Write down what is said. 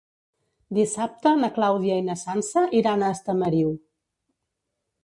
Dissabte na Clàudia i na Sança iran a Estamariu.